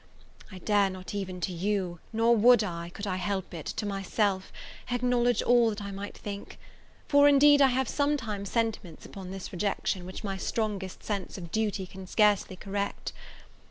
I dare not even to you, nor would I, could I help it, to myself, acknowledge all that I might think; for, indeed, I have sometimes sentiments upon this rejection, which my strongest sense of duty can scarcely correct.